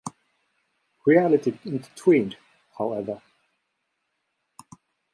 Reality intervened, however.